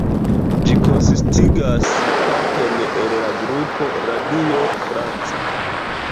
Ĝi konsistigas parton el la grupo Radio France.